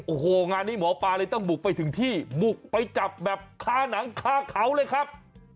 โอ้โหงานนี้หมอปลาเลยต้องบุกไปถึงที่บุกไปจับแบบคาหนังคาเขาเลยครับ